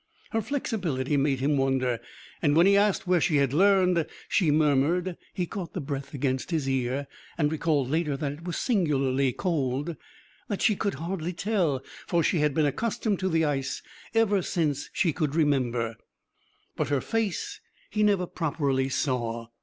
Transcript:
Her flexibility made him wonder, and when he asked where she had learned she murmured he caught the breath against his ear and recalled later that it was singularly cold that she could hardly tell, for she had been accustomed to the ice ever since she could remember. But her face he never properly saw.